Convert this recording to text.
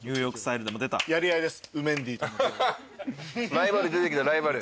ライバル出てきたライバル。